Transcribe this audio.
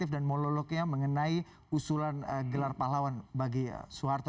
dan monolognya mengenai usulan gelar pahlawan bagi soeharto